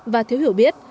và thiếu hiểu biết